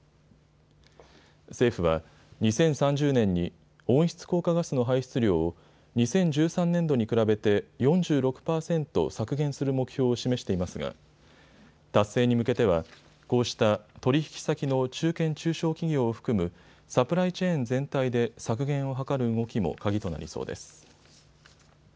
政府は２０３０年に温室効果ガスの排出量を２０１３年度に比べて４６％削減する目標を示していますが達成に向けては、こうした取引先の中堅・中小企業を含むサプライチェーン全体で削減を図る動きも鍵となりそうです。